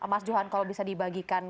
mas johan kalau bisa dibagikan